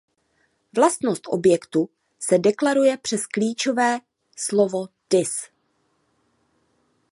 Vlastnost objektu se deklaruje přes klíčové slovo this.